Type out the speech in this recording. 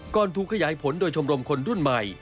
ถูกขยายผลโดยชมรมคนรุ่นใหม่